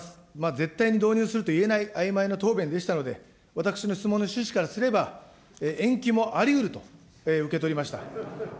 絶対に導入すると言えない、あいまいな答弁でしたので、私の質問の趣旨からすれば、延期もありうると受け取りました。